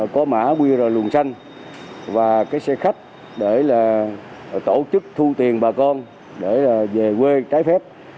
có mã qr luồng xanh và xe khách để tổ chức thu tiền bà con về quê trái phép